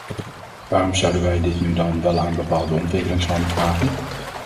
Waarom zouden wij dit nu dan wel aan bepaalde ontwikkelingslanden vragen?